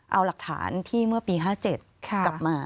เอาหลักฐานที่เมื่อปี๕๗กลับมา